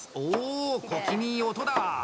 小気味いい音だ！